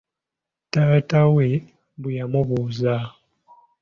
Taata we bwe yamubuuza.